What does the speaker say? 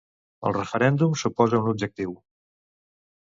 El referèndum suposa un objectiu.